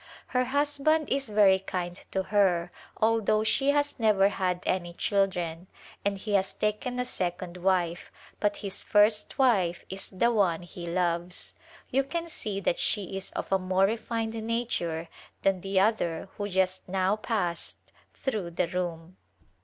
Her husband is very kind to her although she has never had any children and he has taken a second wife, but his first wife is the one he loves. You can see that she is of a more refined nature than the other who just now passed through the room.